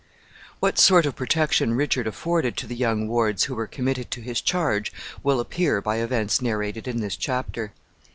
What sort of protection Richard afforded to the young wards who were committed to his charge will appear by events narrated in this chapter.